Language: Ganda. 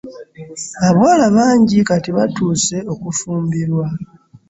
Abawala bangi kati batuuse okufumbirwa.